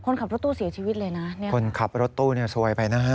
คนขับรถตู้เสียชีวิตเลยนะเนี่ยคนขับรถตู้เนี่ยซวยไปนะฮะ